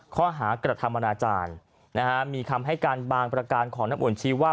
ข้อหากระทำอนาจารย์มีคำให้การบางประการของน้ำอุ่นชี้ว่า